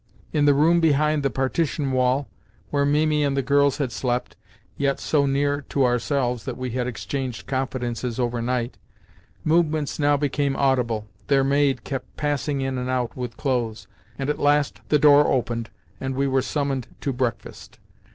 In the room behind the partition wall where Mimi and the girls had slept (yet so near to ourselves that we had exchanged confidences overnight) movements now became audible, their maid kept passing in and out with clothes, and, at last the door opened and we were summoned to breakfast.